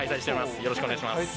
よろしくお願いします。